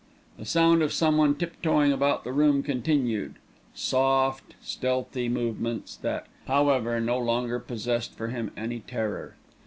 The sound of someone tiptoeing about the room continued soft, stealthy movements that, however, no longer possessed for him any terror.